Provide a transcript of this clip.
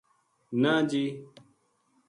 نہ جی